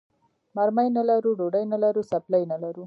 مرمۍ نه لرو، ډوډۍ نه لرو، څپلۍ نه لرو.